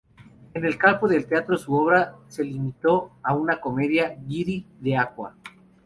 En el campo del teatro su obra se limitó a una comedia: "Giri d’acqua".